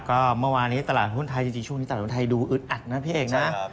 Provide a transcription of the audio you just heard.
ก็เมื่อวานนี้ตลาดหุ้นไทยจริงช่วงนี้ตลาดหุ้นไทยดูอึดอัดนะพี่เอกนะ